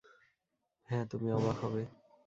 হ্যাঁ, তুমি অবাক হবে।